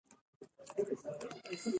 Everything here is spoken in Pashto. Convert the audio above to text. باران د افغانستان د بڼوالۍ برخه ده.